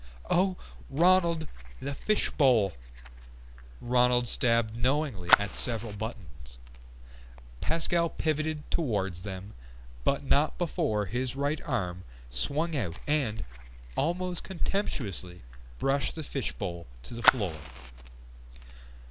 "Oh, Ronald! The fishbowl!" Ronald stabbed knowingly at several buttons. Pascal pivoted toward them, but not before his right arm swung out and, almost contemptuously, brushed the fishbowl to the floor.